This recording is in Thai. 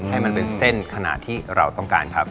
ให้มันเป็นเส้นขนาดที่เราต้องการครับ